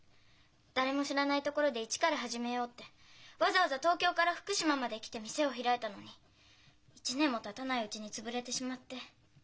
「誰も知らない所で一から始めよう」ってわざわざ東京から福島まで来て店を開いたのに１年もたたないうちに潰れてしまって。